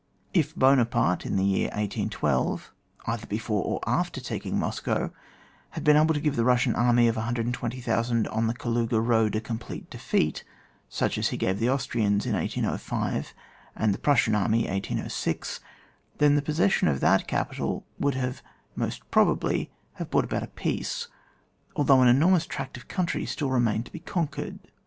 . If Buona parte in the year 1812, either before or after taking Moscow, had been able to give the Eussian army of 120,000 on the Kaluga road, a complete defeat, such as he gave the Austrians in 1805, and the Prussian army, 1806, then the possession of that capital would most probably have brought about a peace, although an enormous tract of country still remained to be conquered.